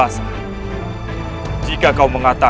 itu adalah dengan